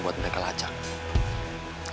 untuk mereka lacak